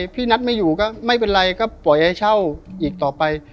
พี่นัทไม่อยู่ก็ไม่เป็นไรก็ปล่อยให้เช่าอีกต่อไป